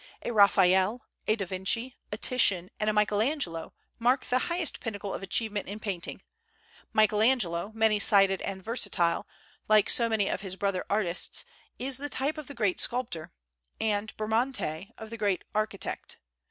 A Raphael, a da Vinci, a Titian, and a Michelangelo mark the highest pinnacle of achievement in painting; Michelangelo, many sided and versatile, like so many of his brother artists, is the type of the great sculptor; and Bramante of the great architect.